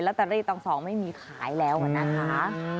และตะเรียกตองสองไม่มีขายแล้วเหมือนนั้นค่ะ